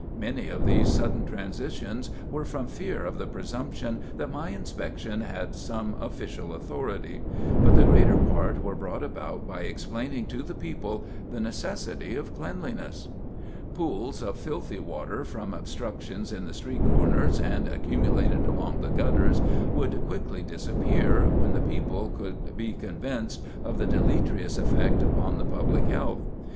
Many of these sudden transitions were from fear of the presumption that my inspection had some official authority; but the greater part were brought about by explaining to the people the necessity of cleanliness. [Illustration: PLAN OF A TYPICAL FEVER NEST, 1865] "Pools of filthy water from obstructions at the street corners, and accumulated along the gutters, would quickly disappear, when the people would be convinced of the deleterious effect upon the public health.